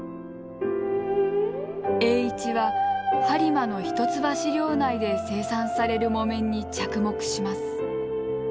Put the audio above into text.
栄一は播磨の一橋領内で生産される木綿に着目します。